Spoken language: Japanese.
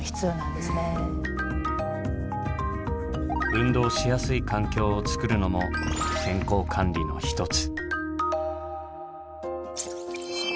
運動しやすい環境をつくるのも健康管理の一つ。